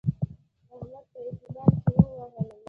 احمد په اعتبار کې ووهلم.